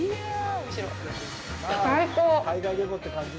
最高！